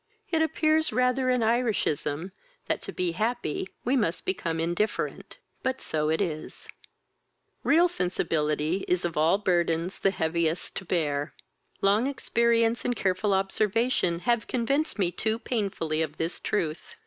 It appears rather an Irishism, that to be happy we must become indifferent, but so it is. Real sensibility is of all burthens the heaviest to bear. Long experience and careful observation have convinced me too painfully of this truth.